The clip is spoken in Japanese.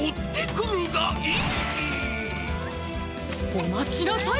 おまちなさい！